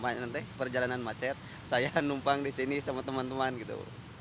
nanti perjalanan macet saya numpang di sini sama teman teman gitu